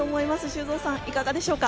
修造さん、いかがでしょうか。